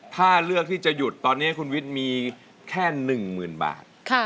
ถ้าเลือกที่จะหยุดตอนนี้คุณวิทย์มีแค่หนึ่งหมื่นบาท